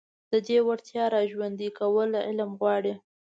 د دې وړتيا راژوندي کول علم غواړي.